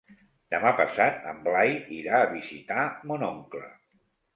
Demà passat en Blai irà a visitar mon oncle.